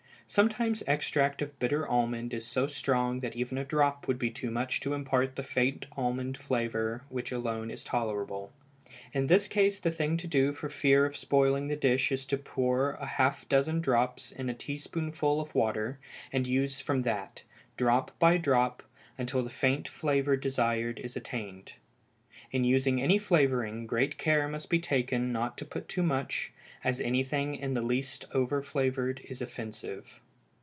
Sometimes extract of bitter almond is so strong that even a drop would be too much to impart the faint almond flavor which alone is tolerable. In this case the thing to do for fear of spoiling the dish is to pour a half dozen drops in a teaspoonful of water, and use from that, drop by drop, until the faint flavor desired is attained. In using any flavoring, great care must be taken not to put too much, as anything in the least over flavored is offensive.